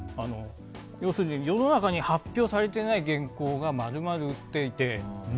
要するに世の中に発表されていない原稿が丸々売っていて。